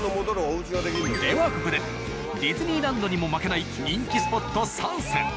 ではここでディズニーランドにも負けない人気スポット３選。